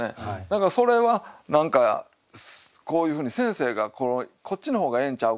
だからそれは何かこういうふうに先生がこっちの方がええんちゃうか？